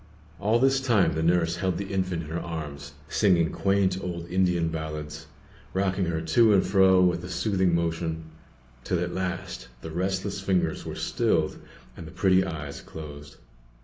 All this time the nurse held the infant in her arms, singing quaint old Indian ballads, rocking her to and fro with a soothing motion, till at last the restless fingers were stilled and the pretty eyes closed.